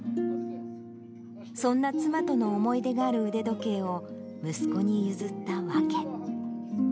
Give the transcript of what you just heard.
そんな妻との思い出がある腕時計を、息子に譲った訳。